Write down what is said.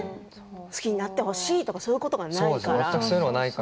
好きになってほしいとかそういうことがないから。